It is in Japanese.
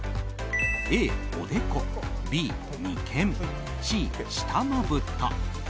Ａ、おでこＢ、眉間Ｃ、下まぶた。